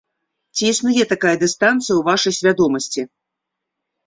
Ці існуе такая дыстанцыя ў вашай свядомасці?